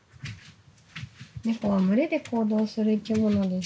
猫は群れで行動する生き物です。